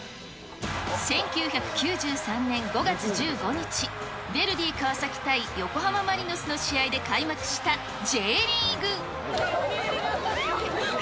１９９３年５月１５日、ヴェルディ川崎対横浜マリノスの試合で開幕したＪリーグ。